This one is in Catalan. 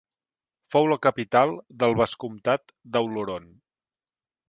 Fou la capital del Vescomtat d'Auloron.